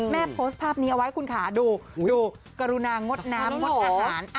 แม่โพสต์ภาพนี้เอาไว้ของคุณค่ะดูดูกรุนางรดน้ำรดอาหาร